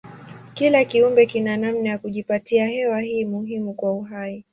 Kila kiumbe kina namna ya kujipatia hewa hii muhimu kwa uhai.